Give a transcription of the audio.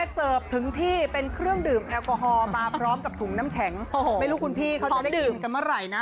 เสิร์ฟถึงที่เป็นเครื่องดื่มแอลกอฮอลมาพร้อมกับถุงน้ำแข็งไม่รู้คุณพี่เขาจะได้ดื่มกันเมื่อไหร่นะ